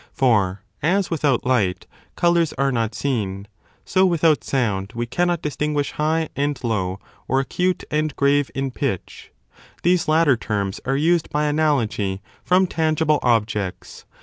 For, as without light colours are not seen, so without sound we cannot distinguish high and low or acute and grave in pitch. These latter terms are used by analogy from tangible objects.